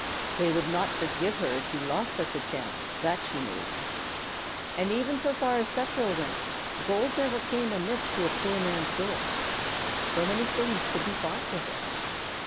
They would not forgive her if she lost such a chance, that she knew. And even so far as Sepperl went, gold never came amiss to a poor man's door. So many things could be bought with it.